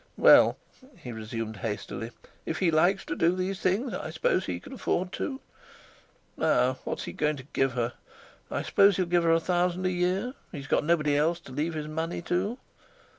"Well," he resumed hastily, "if he likes to do these things, I s'pose he can afford to. Now, what's he going to give her? I s'pose he'll give her a thousand a year; he's got nobody else to leave his money to."